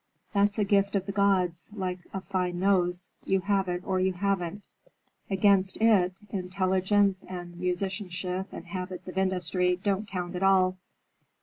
That's a gift of the gods, like a fine nose. You have it, or you haven't. Against it, intelligence and musicianship and habits of industry don't count at all.